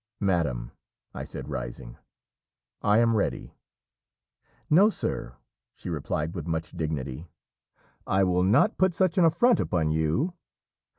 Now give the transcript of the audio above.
"Madam," I said, rising, "I am ready." "No, sir," she replied with much dignity, "I will not put such an affront upon you.